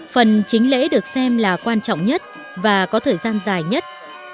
phần chính lễ được xem là quan trọng nhất và có thời gian dài nhất